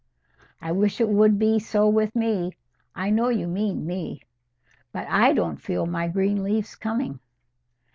"I wish it would be so with me. I know you mean me. But I don't feel my green leaves coming."